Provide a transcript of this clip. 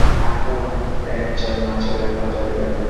By translation-invariance, the metric is recoverable from the F-norm.